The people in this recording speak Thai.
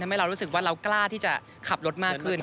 ให้เรารู้สึกว่าเรากล้าที่จะขับรถมากขึ้น